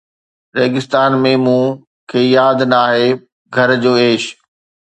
ريگستان ۾، مون کي ياد نه آهي گهر جو عيش